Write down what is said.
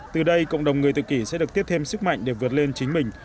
từ đây cộng đồng người tự kỷ sẽ được tiếp thêm sức mạnh để vượt lên chính mình